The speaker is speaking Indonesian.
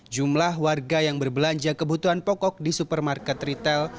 jumlah warga yang berbelanja kebutuhan pokok di supermarket retail